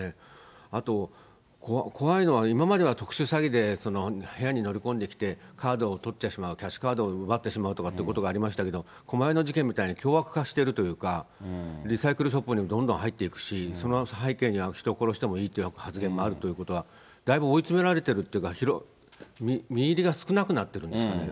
あと、怖いのは、今までは特殊詐欺で部屋に乗り込んできて、カードをとってしまう、キャッシュカードを奪ってしまうということがありましたけれども、狛江の事件みたいに凶悪化しているというか、リサイクルショップにもどんどん入っていくし、その背景には人を殺してもいいという発言もあるということは、だいぶ追い詰められてるっていうか、実入りが少なくなっているんですかね。